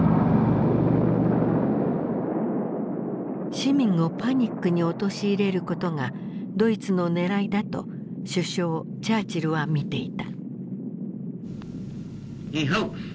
市民をパニックに陥れることがドイツの狙いだと首相チャーチルは見ていた。